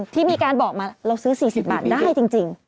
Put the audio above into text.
ที่มีการบอกมาเราซื้อ๔๐บาทได้จริง